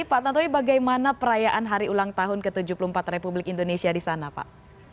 pak tantowi bagaimana perayaan hari ulang tahun ke tujuh puluh empat republik indonesia di sana pak